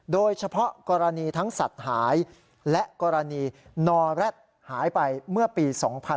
โดยเฉพาะกรณีทั้งสัตว์หายและกรณีนอแร็ดหายไปเมื่อปี๒๕๕๙